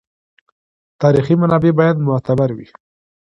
تاریخي منابع باید معتبر وي.